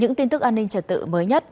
những tin tức an ninh trật tự mới nhất